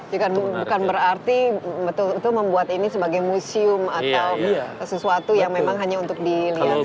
bukan berarti betul betul membuat ini sebagai museum atau sesuatu yang memang hanya untuk dilihat saja